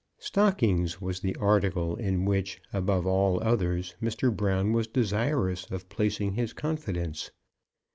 Stockings was the article in which, above all others, Mr. Brown was desirous of placing his confidence.